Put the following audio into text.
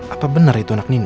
apa benar itu anak nina